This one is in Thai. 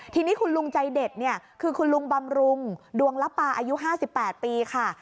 ทีนี้คุณลุงใจเด็ดเนี่ยคือคุณลุงบำรุงดวงละปาอายุ๕๘ปีค่ะ